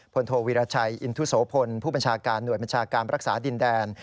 โทวิราชัยอินทุโสพลผู้บัญชาการหน่วยบัญชาการรักษาดินแดน